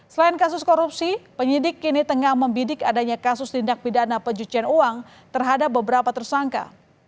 selain kasus korupsi penyidik kini tengah membidik adanya kasus tindak pidana pencucian uang terhadap beberapa tersangka